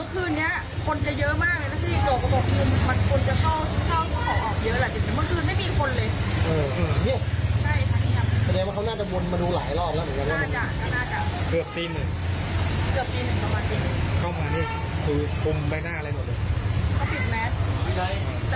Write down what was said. คุณผู้ชายมาแบบนั้น